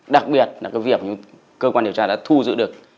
đặc biệt là cái việc cơ quan điều tra đã thu giữ được